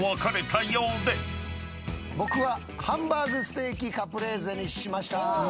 僕はハンバーグステーキカプレーゼにしました！